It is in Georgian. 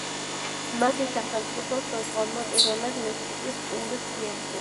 მათი სახელმწიფოს საზღვარმა პირველად მექსიკის ყურეს მიაღწია.